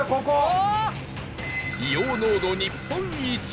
硫黄濃度日本一